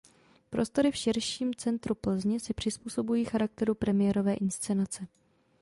Prostory v širším centru Plzně se přizpůsobují charakteru premiérové inscenace.